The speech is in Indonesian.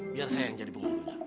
biar saya yang jadi penghulunya